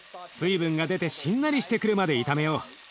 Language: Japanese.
水分が出てしんなりしてくるまで炒めよう。